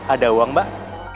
ada uang mbak